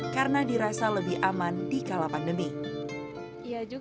karena dirasa lebih aman dan lebih baik